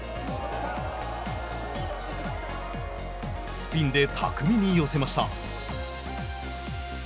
スピンで巧みに寄せました。